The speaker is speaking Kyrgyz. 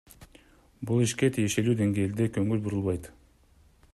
Бул ишке тиешелуу денгээлде конул бурулбайт.